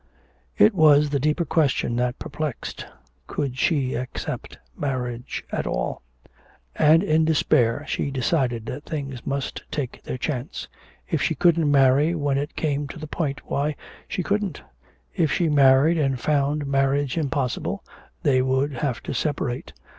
It was the deeper question that perplexed: Could she accept marriage at all? And in despair she decided that things must take their chance. If she couldn't marry when it came to the point, why, she couldn't; if she married and found marriage impossible, they would have to separate.